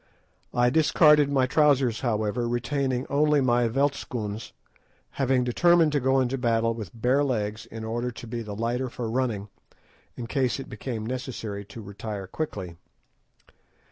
I discarded my trousers, however, retaining only my veldtschoons, having determined to go into battle with bare legs, in order to be the lighter for running, in case it became necessary to retire quickly.